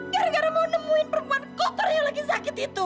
gara gara mau nemuin perempuan kok karena lagi sakit itu